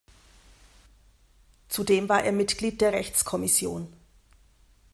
Zudem war er Mitglied der Rechtskommission.